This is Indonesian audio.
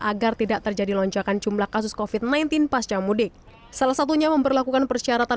agar tidak terjadi lonjakan jumlah kasus covid sembilan belas pasca mudik salah satunya memperlakukan persyaratan